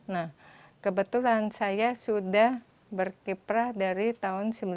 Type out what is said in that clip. nah kebetulan saya sudah berkiprah dari tahun sembilan puluh tujuh